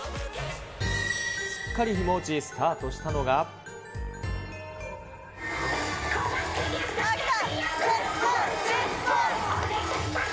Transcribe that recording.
すっかり日も落ち、スタートしたきた！